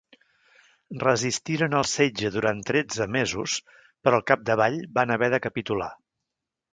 Resistiren el setge durant tretze mesos, però al capdavall van haver de capitular.